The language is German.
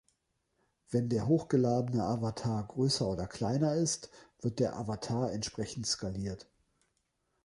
Wenn der hochgeladene Avatar größer oder kleiner ist, wird der Avatar entsprechend skaliert.